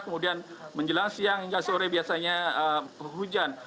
kemudian menjelang siang hingga sore biasanya hujan